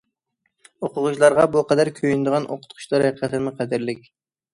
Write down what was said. ئوقۇغۇچىلارغا بۇ قەدەر كۆيۈنىدىغان ئوقۇتقۇچىلار ھەقىقەتەنمۇ قەدىرلىك.